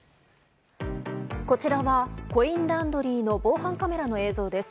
こちらはコインランドリーの防犯カメラの映像です。